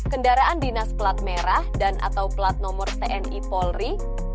tiga kendaraan dinas pelat merah dan atau pelat nomor tni polri